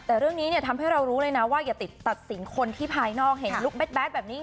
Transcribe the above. แต่เรื่องนี้เนี่ยทำให้เรารู้เลยนะว่าอย่าติดตัดสินคนที่ภายนอกเห็นลุคแดดแบบนี้